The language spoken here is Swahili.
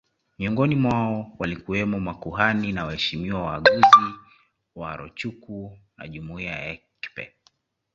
Miongoni mwao walikuwemo makuhani na waheshimiwa waaguzi wa Arochukwu na jumuiya ya Ekpe